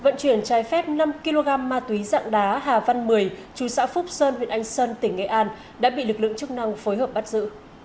vận chuyển trái phép năm kg ma túy dạng đá hà văn mười chú xã phúc sơn huyện anh sơn tỉnh nghệ an đã bị lực lượng chức năng phối hợp bắt giữ